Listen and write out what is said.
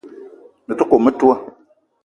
Me te kome metoua